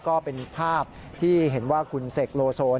ก็เป็นภาพที่เห็นว่าคุณเสกโลโซ